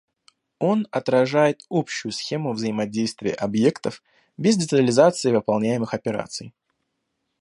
Он отражает общую схему взаимодействия объектов без детализации выполняемых операций